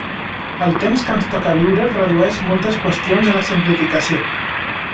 El temps que ens toca viure redueix moltes qüestions a la simplificació.